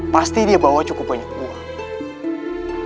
pasti dia bawa cukup banyak uang